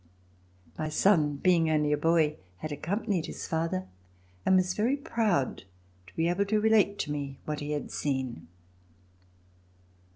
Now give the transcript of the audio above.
My son, being only a boy, had accompanied his father and was very proud to be able to relate to me what he had seen.